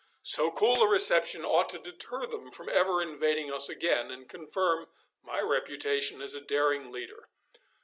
So cool a reception ought to deter them from ever invading us again, and confirm my reputation as a daring leader.